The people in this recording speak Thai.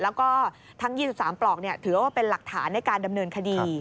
แล้วก็ทั้ง๒๓ปลอกถือว่าเป็นหลักฐานในการดำเนินคดี